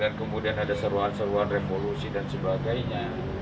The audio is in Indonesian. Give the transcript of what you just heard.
dan kemudian ada seruan seruan revolusi dan sebagainya